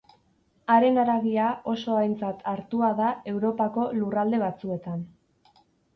Haren haragia oso aintzat hartua da Europako lurralde batzuetan.